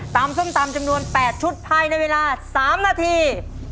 ส้มตำจำนวน๘ชุดภายในเวลา๓นาที